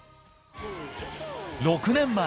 ６年前。